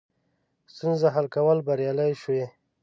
ستونزو حل کولو بریالي شوي.